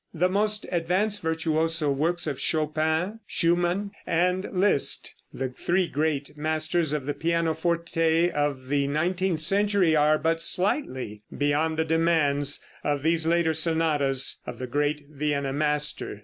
The most advanced virtuoso works of Chopin, Schumann and Liszt, the three great masters of the pianoforte in the nineteenth century, are but slightly beyond the demands of these later sonatas of the great Vienna master.